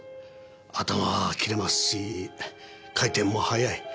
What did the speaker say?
頭は切れますし回転も早い。